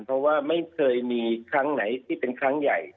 เพราะว่าไม่เคยมีครั้งไหนที่เป็นครั้งใหญ่